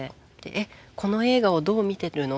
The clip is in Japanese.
「えっこの映画をどう見てるの？